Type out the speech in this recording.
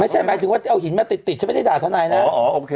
ไม่ใช่หมายถึงว่าเอาหินมาติดติดจะไม่ได้ด่าทนายนะอ๋ออ๋อโอเค